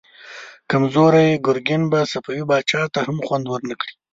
کمزوری ګرګين به صفوي پاچا ته هم خوند ورنه کړي.